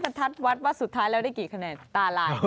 ทัดวัดว่าสุดท้ายแล้วได้กี่คะแนนตาลาย